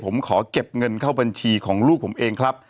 ผมขอเก็บเงินเข้าบัญชีของลูกผมเองครับ